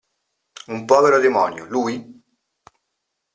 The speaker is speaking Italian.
Un povero demonio, lui!